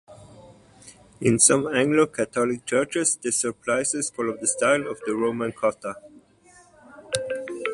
In some Anglo-Catholic churches, the surplices follow the style of the Roman cotta.